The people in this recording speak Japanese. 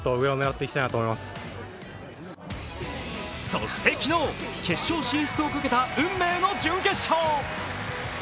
そして昨日、決勝進出をかけた運命の準決勝。